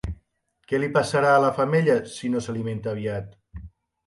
Què li passarà a la femella si no s'alimenta aviat?